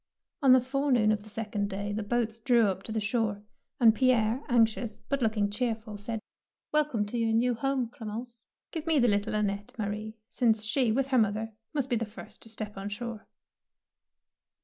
On the forenoon of the second day the boats drew up to the shore, and Pierre, anxious, but looking cheerful, said, — ''Welcome to your new home, Clem ence. Q ive me the little Annette, Ma rie, since she, with her mother, must be the first to step on shore."